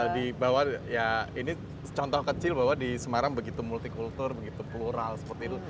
di bawah ya ini contoh kecil bahwa di semarang begitu multikultur begitu plural seperti itu